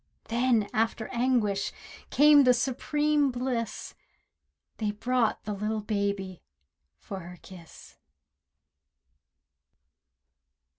Then, after anguish, came the supreme bliss— They brought the little baby, for her kiss!